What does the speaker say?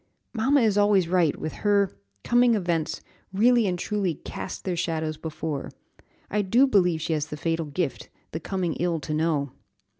"Mamma is always right; with her 'coming events' really and truly 'cast their shadows before.' I do believe she has the fatal gift, the coming ill to know!"